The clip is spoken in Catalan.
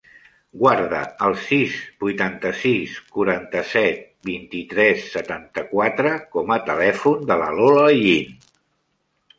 Guarda el sis, vuitanta-sis, quaranta-set, vint-i-tres, setanta-quatre com a telèfon de la Lola Yin.